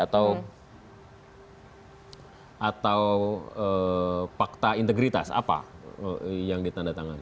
atau fakta integritas apa yang ditanda tangan